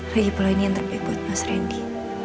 lagi pola ini yang terbaik buat mas randy